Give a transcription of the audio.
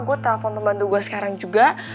gua telepon pembantu gua sekarang juga